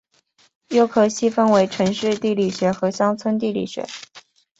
又可细分为城市地理学和乡村地理学。